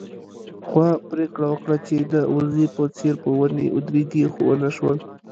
غوا پرېکړه وکړه چې د وزې په څېر په ونې ودرېږي، خو ونه شول